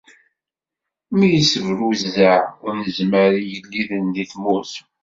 Mi yessebruzzeɛ Unezmar igelliden di tmurt.